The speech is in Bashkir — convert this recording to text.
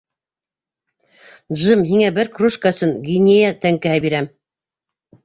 Джим, һиңә бер кружка өсөн гинея тәңкәһе бирәм.